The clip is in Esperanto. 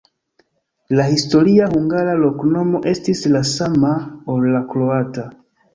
La historia hungara loknomo estis la sama, ol la kroata.